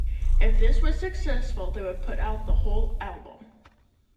If this was successful they would put out the whole album.